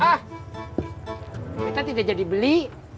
wah kita tidak jadi beli